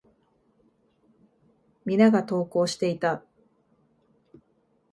皆が登校していた。